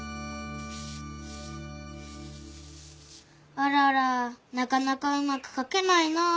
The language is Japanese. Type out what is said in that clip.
あららなかなかうまく書けないなぁ。